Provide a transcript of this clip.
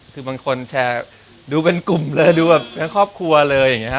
คือบางคนแชร์ดูเป็นกลุ่มเลยดูแบบทั้งครอบครัวเลยอย่างนี้ฮะ